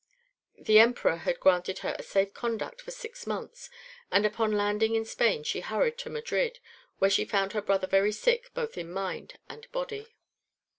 The Emperor had granted her a safe conduct for six months, and upon landing in Spain she hurried to Madrid, where she found her brother very sick both in mind and body.